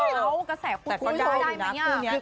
แล้วกระแสคุกจัดผมได้มั้ย